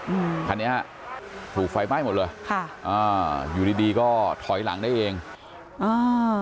อืมคันนี้ฮะถูกไฟไหม้หมดเลยค่ะอ่าอยู่ดีดีก็ถอยหลังได้เองอ่า